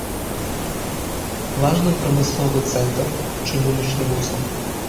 Важны прамысловы цэнтр, чыгуначны вузел.